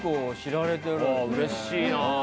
うれしいな！